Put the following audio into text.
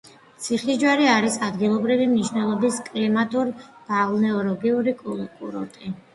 ციხისჯვარი არის ადგილობრივი მნიშვნელობის კლიმატურ-ბალნეოლოგიური კურორტი.